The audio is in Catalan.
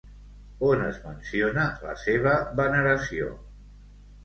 On es menciona la seva veneració?